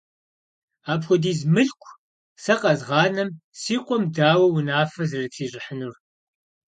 Апхуэдиз мылъку сэ къэзгъанэм си къуэм дауэ унафэ зэрытрищӀыхьынур?